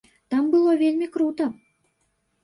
Там было вельмі крута!